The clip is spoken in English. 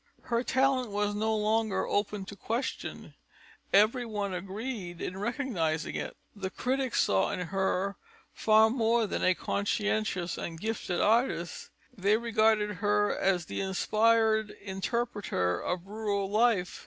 Her talent was no longer open to question; everyone agreed in recognizing it. The critics saw in her far more than a conscientious and gifted artist; they regarded her as the inspired interpreter of rural life.